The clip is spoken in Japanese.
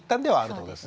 そうですね。